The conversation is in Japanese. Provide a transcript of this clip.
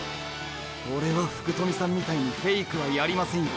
オレは福富さんみたいにフェイクはやりませんよ。